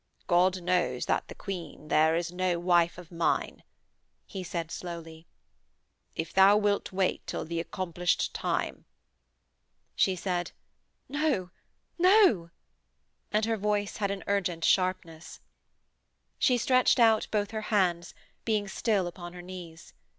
'God knows that the Queen there is is no wife of mine,' he said slowly. 'If thou wilt wait till the accomplished time....' She said: 'No, no!' and her voice had an urgent sharpness. She stretched out both her hands, being still upon her knees.